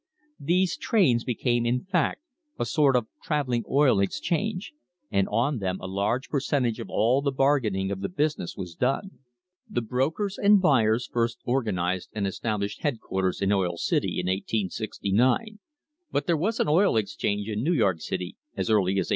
These trains became, in fact, a sort of travelling oil exchange, and on them a large percentage of all the bargaining of the business was done. The brokers and buyers first organised and established headquarters in Oil City in 1869, but there was an oil exchange in New York City as early as 1866.